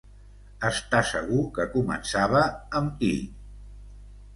Està segur que començava amb i.